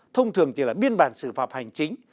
thông thường thì là biên bản xử phạm hành chính